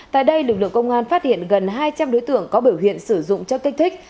tại đây lực lượng công an phát hiện gần hai trăm linh đối tượng có biểu hiện sử dụng chất kích thích